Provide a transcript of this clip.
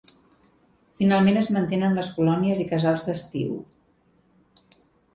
Finalment, es mantenen les colònies i casals d’estiu.